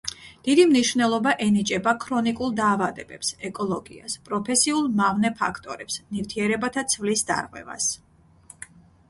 დიდი მნიშვნელობა ენიჭება ქრონიკულ დაავადებებს, ეკოლოგიას, პროფესიულ მავნე ფაქტორებს, ნივთიერებათა ცვლის დარღვევას.